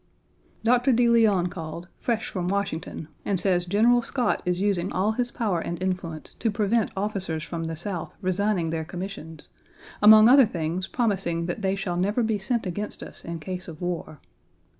Dr. De Leon called, fresh from Washington, and says Page 10 General Scott is using all his power and influence to prevent officers from the South resigning their commissions, among other things promising that they shall never be sent against us in case of war.